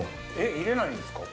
入れないんですか？